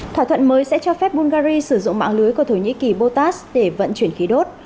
thỏa thuận mới sẽ cho phép bungary sử dụng mạng lưới của thổ nhĩ kỳ botas để vận chuyển khí đốt